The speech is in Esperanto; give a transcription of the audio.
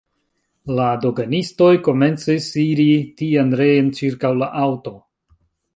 La doganistoj komencis iri tien-reen ĉirkaŭ la aŭto.